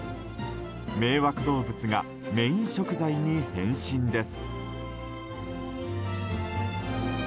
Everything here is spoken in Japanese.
迷惑動物がメイン食材に変身です。